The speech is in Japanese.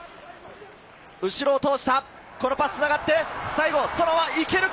後ろを通した、このパスがつながって、そのまま行けるか？